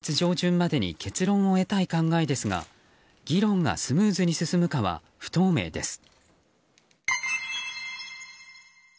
与野党４党は来月上旬までに結論を得たい考えですが議論がスムーズに進むかは不透明です。